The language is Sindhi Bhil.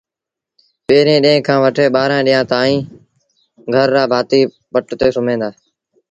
پيريݩ ڏيݩهݩ کآݩ وٺي ٻآرآݩ ڏيݩهآݩ تائيٚݩ گھر رآ ڀآتيٚ پٽ تي سُوميݩ دآ